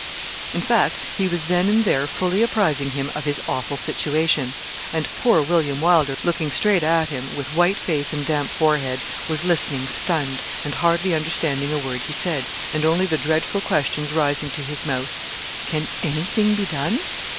In fact, he was then and there fully apprising him of his awful situation; and poor William Wylder looking straight at him, with white face and damp forehead, was listening stunned, and hardly understanding a word he said, and only the dreadful questions rising to his mouth, 'Can anything be done?